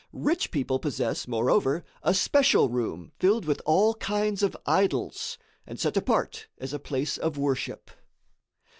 Rich people possess, moreover, a special room filled with all kinds of idols, and set apart as a place of worship.